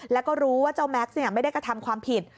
แล้วก็รู้ว่าเจ้าแม็กซ์ไม่ได้กระทำความผิด